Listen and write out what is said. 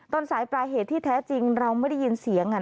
ต้นสายปลายเหตุที่แท้จริงเราไม่ได้ยินเสียง